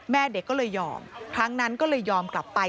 แม่เด็กก็เลยยอมครั้งนั้นก็เลยยอมกลับไป